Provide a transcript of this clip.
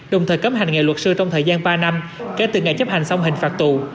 đồng thời cấm hành nghề luật sư trong thời gian ba năm kể từ ngày chấp hành xong hình phạt tù